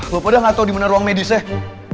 lo pada gak tau dimana ruang medisnya